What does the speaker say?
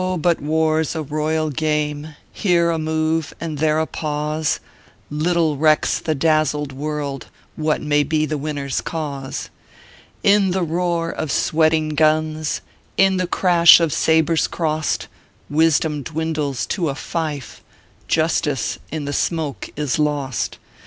0, but war s a royal game, Here a move and there a pause; Little recks the dazzled world What may be the winner s cause. "In the roar of sweating guns, In the crash of sabres crossed, "Wisdom dwindles to a fife, Justice in the smoke is lost.